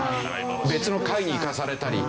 別の階に行かされたり。